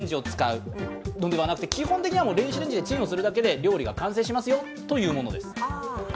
これ、調理の過程の中に電子レンジを使うのではなくて基本的には電子レンジでチンをするだけで料理が完成しますよというもの。